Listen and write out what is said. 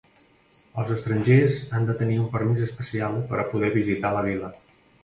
Els estrangers han de tenir un permís especial per poder visitar la vila.